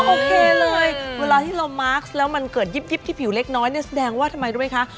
โอเคเลยเวลาที่เรามาร์คแล้วมันเกิดยิบที่ผิวเล็กน้อยเนี่ยแสดงว่าทำไมรู้ไหมคะ